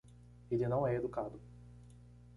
Ele não é educado.